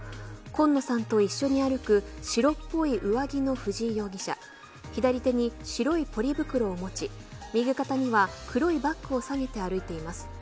今野さんと一緒に歩く白っぽい上着の藤井容疑者左手に白いポリ袋を持ち右肩には黒いバッグを提げて歩いています。